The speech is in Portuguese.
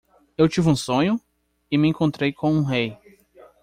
Eu tive um sonho? e me encontrei com um rei.